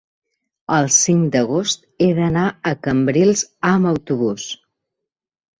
el cinc d'agost he d'anar a Cabrils amb autobús.